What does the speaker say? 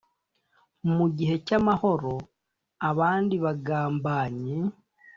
Mu gihe cy amahoro abandi bagambanyi